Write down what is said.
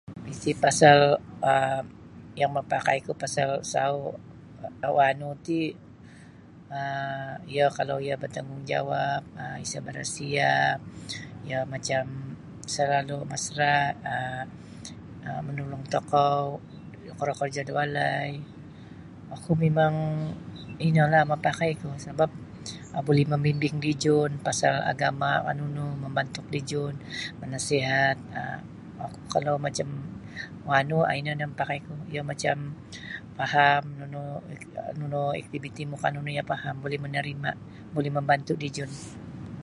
Iti pasal um yang makapakai ku pasal sauh wanu ti um iyo kalau iyo batanggungjawab um isa barasia iyo macam salalu masra um manulung tokou korjo-korjo da walai oku mimang ino lah mapakai ku sabab buli mamimbing dijun pasal agama ka nunu mambantuk dijun manasihat um kalau macam wanu um ino nio makapakai ku iyo macam paham nunu ak nunu aktiviti mu kan iyo faham buli manarima buli mambantu dijun.